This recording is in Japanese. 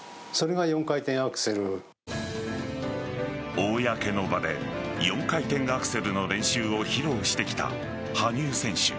公の場で４回転アクセルの練習を披露してきた羽生選手。